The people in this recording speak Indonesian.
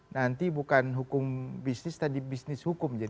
nanti bukan hukum bisnis tadi bisnis hukum